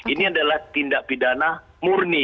ini adalah tindak pidana murni